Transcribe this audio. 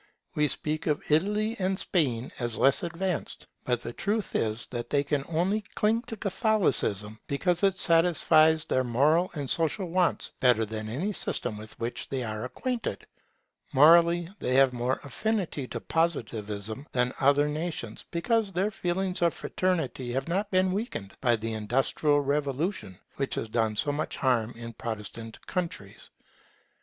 We speak of Italy and Spain as less advanced; but the truth is that they only cling to Catholicism because it satisfies their moral and social wants better than any system with which they are acquainted. Morally they have more affinity to Positivism than other nations; because their feelings of fraternity have not been weakened by the industrial development which has done so much harm in Protestant countries.